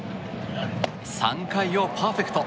３回をパーフェクト。